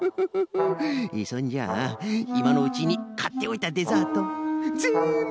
そんじゃあいまのうちにかっておいたデザートぜんぶ